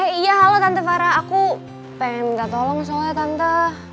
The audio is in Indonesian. iya halo tante farah aku pengen minta tolong soalnya tante